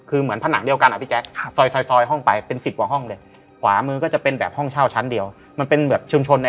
อืมเกือบสุดซอยเลยอืม